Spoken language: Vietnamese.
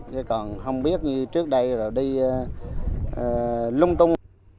chứ còn không biết trước đây rồi đi lung tung